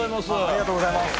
ありがとうございます。